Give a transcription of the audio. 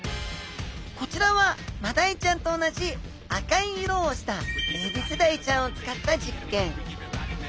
こちらはマダイちゃんと同じ赤い色をしたエビスダイちゃんを使った実験。